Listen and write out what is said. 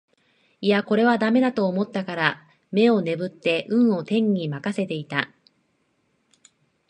いやこれは駄目だと思ったから眼をねぶって運を天に任せていた